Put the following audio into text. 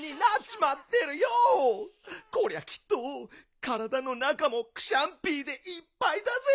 こりゃきっとからだのなかもクシャンピーでいっぱいだぜ。